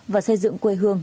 và xây dựng quê hương